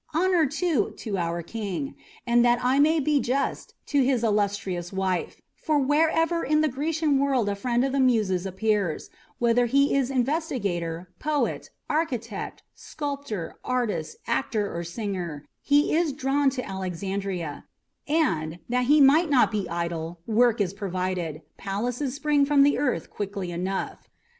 Honour, too, to our King, and, that I may be just, to his illustrious wife; for wherever in the Grecian world a friend of the Muses appears, whether he is investigator, poet, architect, sculptor, artist, actor, or singer, he is drawn to Alexandria, and, that he may not be idle, work is provided. Palaces spring from the earth quickly enough."